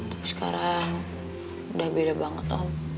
tapi sekarang udah beda banget om